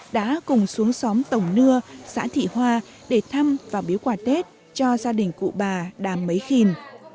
đã cùng xuống xóm tổng nưa xã thị hoa để thăm và biếu quả tết cho gia đình cụ bà đàm mấy khin